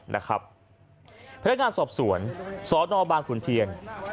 พยายามงานสอบสวนสนบางขุนเทียง